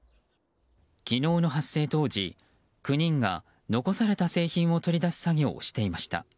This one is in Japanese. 昨日の発生当時、９人が残された製品を取り出す作業をしていました。